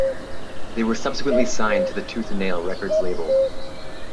They were subsequently signed to the Tooth and Nail Records label.